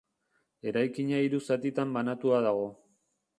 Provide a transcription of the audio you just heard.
Eraikina hiru zatitan banatua dago.